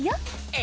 え！？